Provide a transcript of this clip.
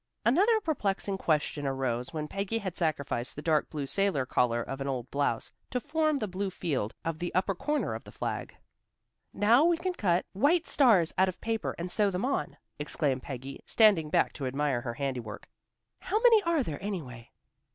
Another perplexing question arose when Peggy had sacrificed the dark blue sailor collar of an old blouse, to form the blue field in the upper corner of the flag. "Now we can cut white stars out of paper and sew them on," exclaimed Peggy, standing back to admire her handiwork. "How many are there, anyway?"